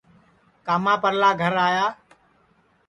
کاما پرلا گھر آیا